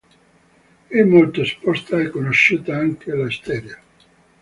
È molto esposta e conosciuta anche all'estero.